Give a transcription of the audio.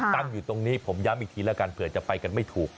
ตั้งอยู่ตรงนี้ผมย้ำอีกทีแล้วกันเผื่อจะไปกันไม่ถูก